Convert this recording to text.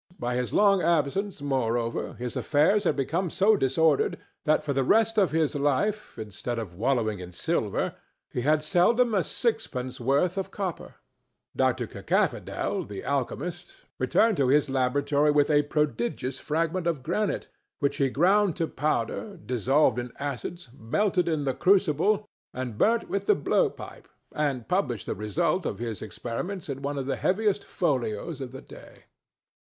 By his long absence, moreover, his affairs had become so disordered that for the rest of his life, instead of wallowing in silver, he had seldom a sixpence worth of copper. Doctor Cacaphodel, the alchemist, returned to his laboratory with a prodigious fragment of granite, which he ground to powder, dissolved in acids, melted in the crucible and burnt with the blowpipe, and published the result of his experiments in one of the heaviest folios of the day.